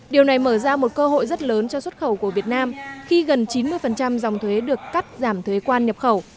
điều này mở ra một cơ hội rất lớn cho xuất khẩu của việt nam khi gần chín mươi dòng thuế được cắt giảm thuế quan nhập khẩu